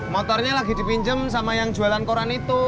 motornya lagi dipinjam sama yang jualan koran itu